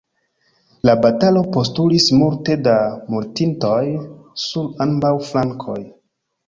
La batalo postulis multe da mortintoj sur ambaŭ flankoj.